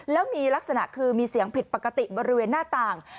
แล้วมีลักษณะคือมีเสียงผิดปกติบริเวณหน้าต่าง